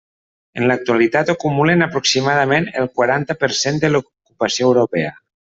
En l'actualitat acumulen aproximadament el quaranta per cent de l'ocupació europea.